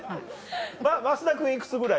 増田君いくつぐらい？